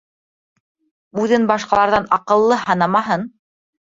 Үҙен башҡаларҙан аҡыллы һанамаһын!